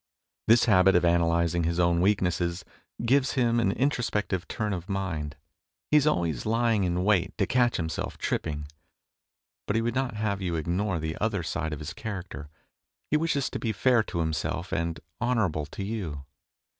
This habit of analysing his own weakness gives him an introspective turn of mind. He is always lying in wait to catch himself tripping ; but he would not have you ignore the other side of his char acter ; he wishes to be fair to himself and honourable to you.